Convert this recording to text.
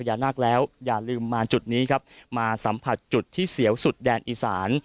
นาคแล้วอย่าลืมมาจุดนี้ครับมาสัมผัสจุดที่เสียวสุดแดนอีสาน